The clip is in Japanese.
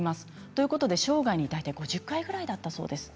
ということで生涯に大体５０回ぐらいだったそうです。